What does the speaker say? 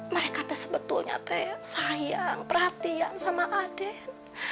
mereka sebetulnya sayang perhatian sama aden